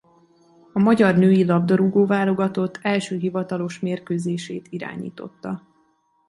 A magyar női labdarúgó-válogatott első hivatalos mérkőzését irányította.